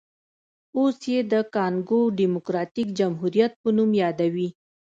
اوس یې د کانګو ډیموکراټیک جمهوریت په نوم یادوي.